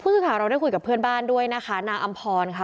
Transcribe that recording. ผู้สึกไขเราได้คุยกับเพื่อนบ้านด้วยนะคะนาอัมพรคละ